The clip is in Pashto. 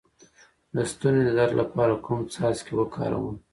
د ستوني د درد لپاره کوم څاڅکي وکاروم؟